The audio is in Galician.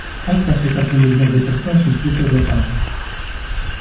Hai case catro millóns de persoas inscritas no paro.